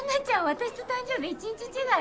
私と誕生日１日違い！？